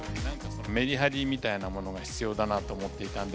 メリハリみたいなものが必要だなと思っていたんで。